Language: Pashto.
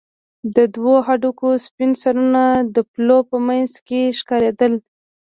د دوو هډوکو سپين سرونه د پلو په منځ کښې ښکارېدل.